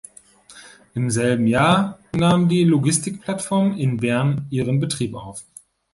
Im selben Jahr nahm die Logistik-Plattform in Bern ihren Betrieb auf.